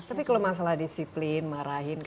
tapi kalau masalah disiplin marahin